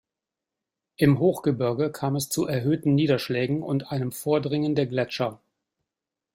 Im Hochgebirge kam es zu erhöhten Niederschlägen und einem Vordringen der Gletscher.